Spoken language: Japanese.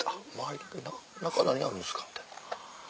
中何あるんですか？」。